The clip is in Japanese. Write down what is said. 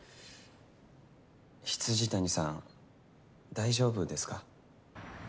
未谷さん大丈夫ですか？